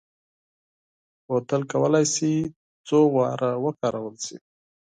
بوتل کولای شي څو ځله وکارول شي.